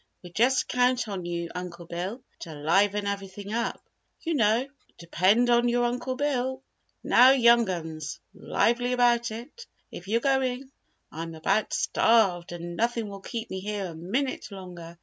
We just count on you, Uncle Bill, to liven everything up, you know." "Depend upon your Uncle Bill! Now, young 'uns lively about it, if you're going! I'm about starved and nothing will keep me here a minute longer.